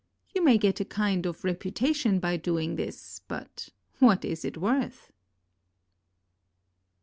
You may get a kind of reputation by doing this, but what is it worth?"